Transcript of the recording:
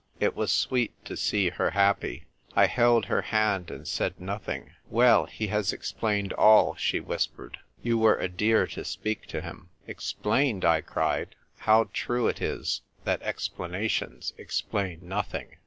It was sweet to see her happy. I held her hand and said nothing. "Well, he has explained all," she whispered. "You were a dear to speak to him." " Explained !" I cried. How true it is that explanations explain nothing